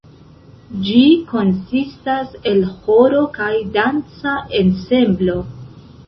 Ĝi konsistas el ĥoro kaj danca ensemblo.